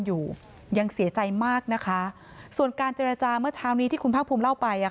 อยู่ยังเสียใจมากนะคะส่วนการเจรจาเมื่อเช้านี้ที่คุณภาคภูมิเล่าไปอ่ะ